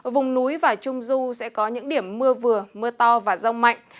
vùng núi và trung du sẽ có những điểm mưa vừa mưa to và rông mạnh